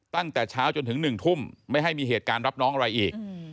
ตั้งแต่เช้าจนถึง๑ทุ่มไม่ให้มีเหตุการณ์รับน้องอะไรอีก